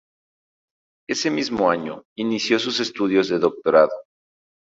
Ese mismo año inició sus estudios de Doctorado.